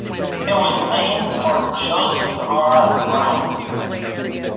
It was named for Joseph R. Brown.